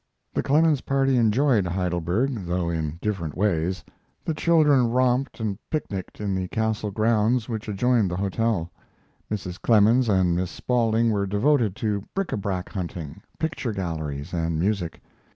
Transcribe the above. The Clemens party enjoyed Heidelberg, though in different ways. The children romped and picnicked in the castle grounds, which adjoined the hotel; Mrs. Clemens and Miss Spaulding were devoted to bric a brac hunting, picture galleries, and music.